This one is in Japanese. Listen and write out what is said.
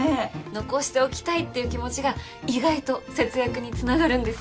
残しておきたいっていう気持ちが意外と節約につながるんです。